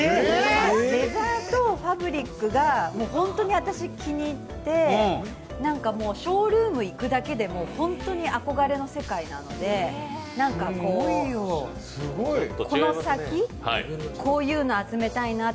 レザーとファブリックが本当に気に入って、ショールーム行くだけでも本当に憧れの世界なのでこの先、こういうの集めたいなって。